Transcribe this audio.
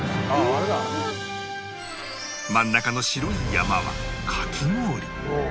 真ん中の白い山はかき氷